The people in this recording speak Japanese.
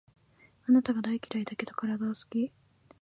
あなたが大嫌いだけど、体は好き